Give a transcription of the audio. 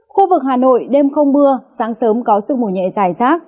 khu vực hà nội đêm không mưa sáng sớm có sức mùi nhẹ dài rác